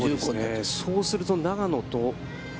そうすると、永野と。